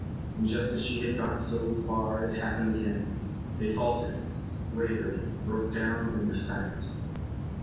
And just as she had got so far it happened again. They faltered, wavered, broke down, were silent.